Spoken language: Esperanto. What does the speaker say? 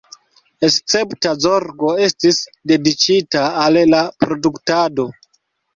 Escepta zorgo estis dediĉita al la produktado.